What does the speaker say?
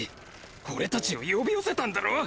俺達を呼び寄せたんだろ！？